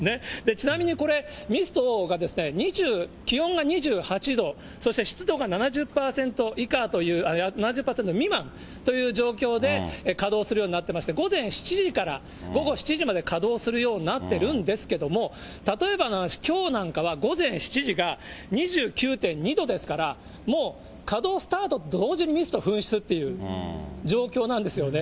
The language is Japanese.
ちなみにこれ、ミストが気温が２８度、そして湿度が７０％未満という状況で稼働するようになってまして、午前７時から午後７時まで稼働するようになってるんですけれども、例えばの話、きょうなんかは、午前７時が２９．２度ですから、もう稼働スタート同時にミスト噴出っていう状況なんですよね。